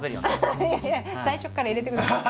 いやいや最初から入れてください。